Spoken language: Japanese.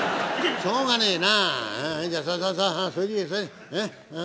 しょうがねえな！